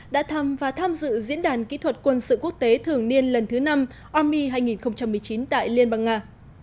đã thăm và tham dự diễn đàn kỹ thuật quân sự quốc tế thường niên lần thứ năm army hai nghìn một mươi chín tại liên bang nga